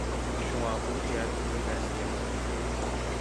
شۇڭا ئۇ جەھەتتە بىر نەرسە يازالمايمەن.